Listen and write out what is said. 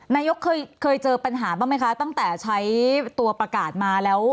นายกเคยเจอปัญหาบ้างไหมคะตั้งแต่ใช้ตัวประกาศมาแล้ว